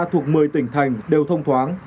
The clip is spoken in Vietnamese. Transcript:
thuộc một mươi tỉnh thành đều thông thoáng